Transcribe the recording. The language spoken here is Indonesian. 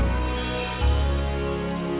ibu belum terima